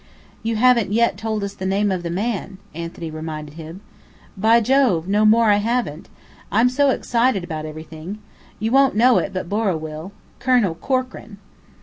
"You haven't told us yet the name of the man," Anthony reminded him. "By Jove, no more I haven't! I'm so excited about everything. You won't know it, but Borrow will. Colonel Corkran."